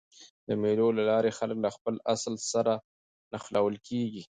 د مېلو له لاري خلک له خپل اصل سره مښلول کېږي.